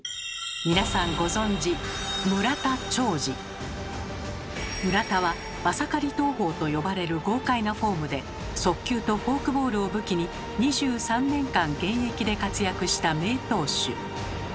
皆さんご存じ村田は「マサカリ投法」と呼ばれる豪快なフォームで速球とフォークボールを武器に２３年間現役で活躍した名投手。